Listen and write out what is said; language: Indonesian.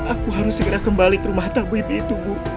aku harus segera kembali ke rumah tahbib itu bu